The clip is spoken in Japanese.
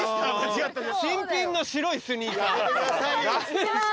新品の白いスニーカー。